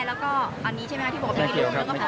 แล้วก็อันนี้ใช่ไหมคะที่บอกว่าพี่ลุง